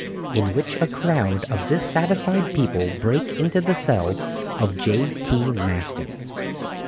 IN WHICH A CROWD OF DISSATISFIED PEOPLE BREAK INTO THE CELL OF J. T. MASTON.